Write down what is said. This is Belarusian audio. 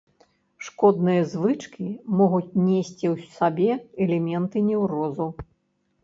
Шкодныя звычкі могуць несці ў сабе элементы неўрозу.